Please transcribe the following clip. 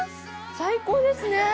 最高ですね！